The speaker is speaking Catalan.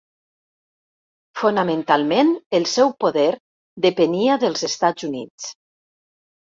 Fonamentalment el seu poder depenia dels Estats Units.